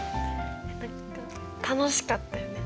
楽しかったよね。